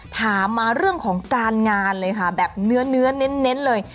ถามมาเรื่องของการงานเลยค่ะแบบเนื้อเน้นเลย